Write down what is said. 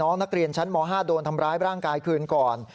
นักเรียนชั้นม๕โดนทำร้ายร่างกายคืนก่อน